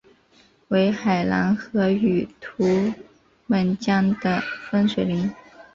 为海兰河与图们江的分水岭。